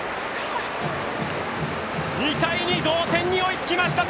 ２対２、同点に追いつきました。